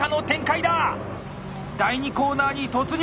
第２コーナーに突入！